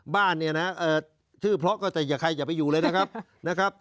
บ้านนี่นะชื่อเพราะก็ใจอย่าไปอยู่เลยนะครับ